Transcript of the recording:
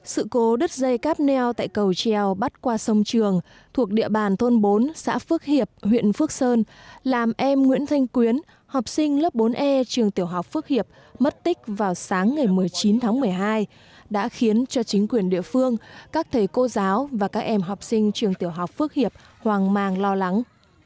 sự cố đất dây cáp neo tại cầu treo bắc qua sông trường thuộc địa bàn thôn bốn xã phước hiệp huyện phước sơn làm em nguyễn thanh quyến học sinh lớp bốn e trường tiểu học phước hiệp mất tích vào sáng ngày một mươi chín tháng một mươi hai đã khiến cho chính quyền địa phương các thầy cô giáo và các em học sinh trường tiểu học phước hiệp hoàng mang lo lắng